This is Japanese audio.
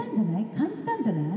感じたんじゃない？